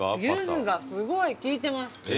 ユズがすごい効いてます。